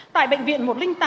tại bệnh viện một trăm linh tám